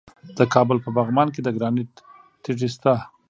د کابل په پغمان کې د ګرانیټ تیږې شته.